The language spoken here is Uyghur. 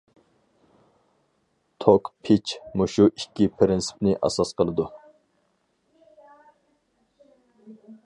توك پىچ مۇشۇ ئىككى پىرىنسىپنى ئاساس قىلىدۇ.